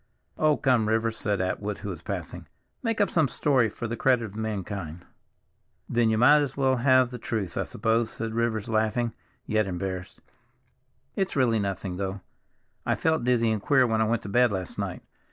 "Oh, come, Rivers," said Atwood, who was passing, "make up some story, for the credit of mankind." "Then you might as well have the truth, I suppose," said Rivers, laughing, yet embarrassed. "It's really nothing, though; I felt dizzy and queer when I went to bed last night.